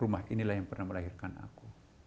rumah inilah yang pernah melahirkan aku